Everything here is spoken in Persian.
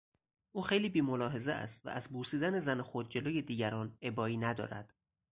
او خیلی بیملاحظه است و از بوسیدن زن خود جلو دیگران ابایی ندارد.